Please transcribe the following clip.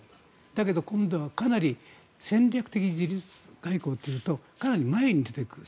だけど今度は戦略的自律外交というとかなり前に出てくる。